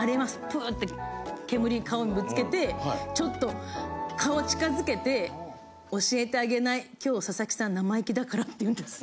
プーッて煙、顔にぶつけて、ちょっと顔近づけて、「教えてあげない、今日佐々木さん、生意気だから」って言うんです。